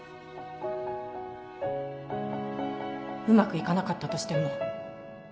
うまくいかなかったとしても